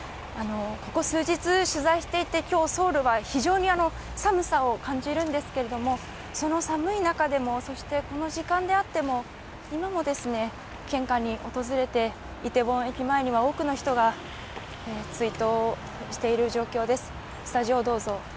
ここ数日、取材していて今日、ソウルは非常に寒さを感じるんですけれどもその寒い中でも、そしてこの時間であっても今も献花に訪れて、イテウォン駅前には多くの人が追悼をしている状況です。